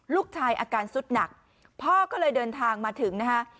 ลูกชายอาการสุดหนักพ่อก็เลยเดินทางมาถึงนะคะ